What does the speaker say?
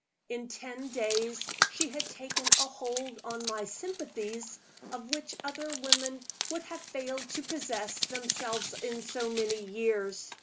In ten days she had taken a hold on my sympathies of which other women would have failed to possess themselves in so many years.